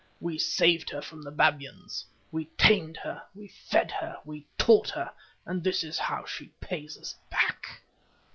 We saved her from the babyans, we tamed her, we fed her, we taught her, and this is how she pays us back.